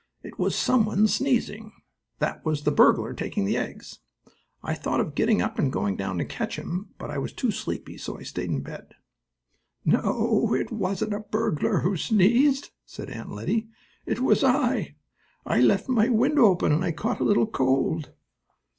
It was some one sneezing. That was the burglar taking the eggs. I thought of getting up and going down to catch him, but I was too sleepy, so I stayed in bed." "No, it wasn't a burglar who sneezed," said Aunt Lettie. "It was I. I left my window open, and I caught a little cold."